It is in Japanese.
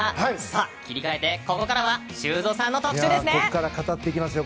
さあ切り替えてここからは修造さんの特集ですね。